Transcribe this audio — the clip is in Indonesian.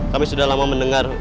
kami sudah lama mendengar